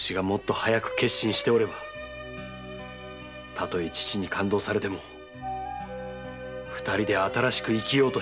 たとえ父に勘当されても二人で新しく生きようとしていたら！